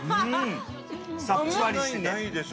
さっぱりしてて。